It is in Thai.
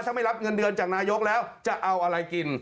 ถ้าไม่รับเงินเดือนจากนายกแล้วจะเอาอะไรกิน